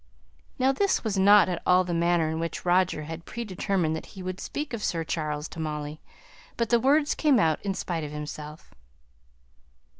Now this was not at all the manner in which Roger had pre determined that he would speak of Sir Charles to Molly; but the words came out in spite of himself.